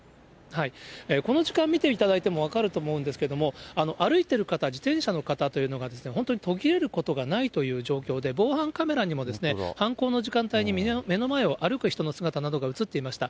この時間、見ていただいても分かると思うんですけど、歩いてる方、自転車の方というのが、本当に途切れることがないという状況で、防犯カメラにも、犯行の時間帯に目の前を歩く人の姿などが写っていました。